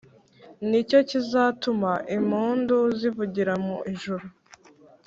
Nicyo kizatuma impundu zivugira mu ijuru